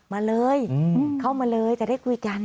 มาเลยเข้ามาเลยจะได้คุยกัน